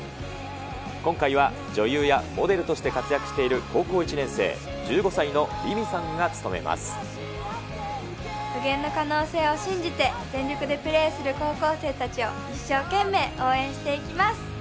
今回は女優やモデルとして活躍している、高校１年生、無限の可能性を信じて、全力でプレーする高校生たちを一生懸命応援していきます。